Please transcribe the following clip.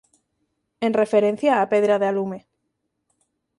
En referencia á pedra de alume.